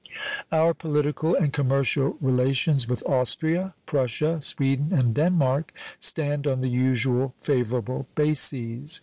Our political and commercial relations with Austria, Prussia, Sweden, and Denmark stand on the usual favorable bases.